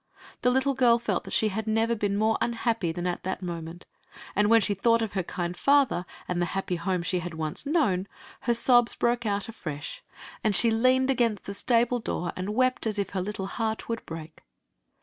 The little girl felt that che had never been more unhappy than at that moment, and when she thought of her kind father and the happy home she had once known, her sobs broke out afresh, and she leaned Story of the Magic Cloak against the stable door and wept as if her little heart would break.